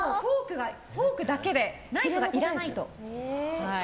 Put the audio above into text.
フォークだけでナイフがいらないと。